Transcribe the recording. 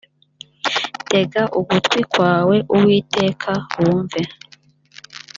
tega ugutwi kwawe uwiteka wumve